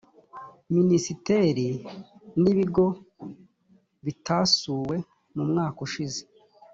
minisiteri n’ibigo bitasuwe mu mwaka ushize